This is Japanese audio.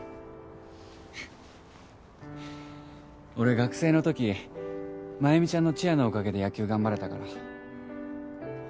俺学生の時繭美ちゃんのチアのお陰で野球頑張れたから。